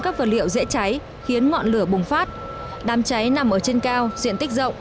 các vật liệu dễ cháy khiến ngọn lửa bùng phát đám cháy nằm ở trên cao diện tích rộng